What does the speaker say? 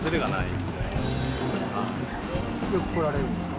よく来られるんですか？